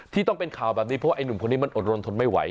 ต้องเป็นข่าวแบบนี้เพราะว่าไอ้หนุ่มคนนี้มันอดรนทนไม่ไหว